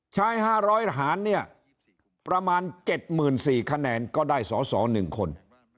๕๐๐หารเนี่ยประมาณ๗๔๐๐คะแนนก็ได้สอสอ๑คน